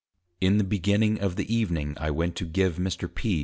In the beginning of the Evening I went to give Mr. _P.